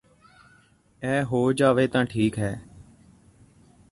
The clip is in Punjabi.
ਅ ਹੋ ਜਾਵੇ ਤਾਂ ਠੀਕ ਹੈ